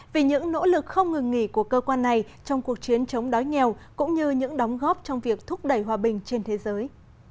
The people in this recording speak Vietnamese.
vì những nỗ lực không ngừng nghỉ của cơ quan này trong cuộc chiến chống đói nghèo cũng như những đóng góp trong việc thúc đẩy hòa bình trên thế giới